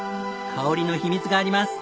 香りの秘密があります。